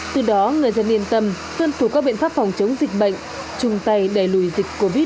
từ đó người dân yên tâm tuân thủ các biện pháp phòng chống dịch bệnh chung tay đẩy lùi dịch covid một mươi chín